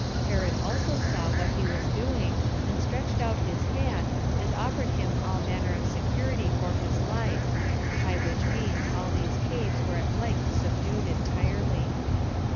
Herod also saw what he was doing, and stretched out his hand, and offered him all manner of security for his life; by which means all these caves were at length subdued entirely.